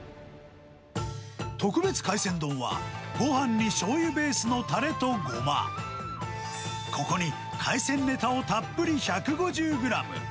特別海鮮丼は、ごはんにしょうゆベースのたれとごま、ここに、海鮮ネタをたっぷり１５０グラム。